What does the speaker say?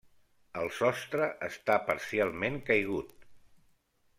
El sostre està parcialment caigut.